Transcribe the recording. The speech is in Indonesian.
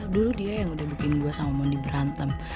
dulu dia yang udah bikin gue sama mondi berantem